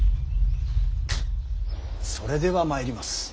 それではまいります。